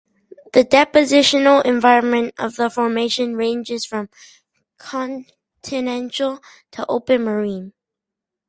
The depositional environment of the formation ranges from continental to open marine.